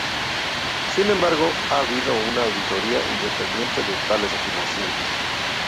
Sin embargo, ha habido una auditoría independiente de tales afirmaciones.